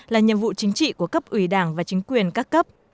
là nhiệm vụ chính trị của cấp ủy đảng và chính quyền các cấp